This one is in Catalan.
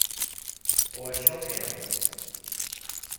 O això creu.